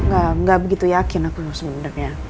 gak begitu yakin aku sebenernya